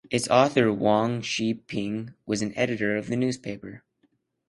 Its author Wong Shee Ping was an editor of the newspaper.